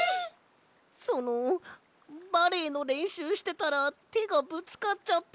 そのバレエのれんしゅうしてたらてがぶつかっちゃって。